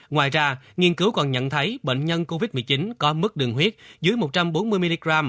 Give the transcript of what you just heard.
ngoài ra nghiên cứu còn nhận thấy bệnh nhân covid một mươi chín có mức đường huyết dưới một trăm bốn mươi mg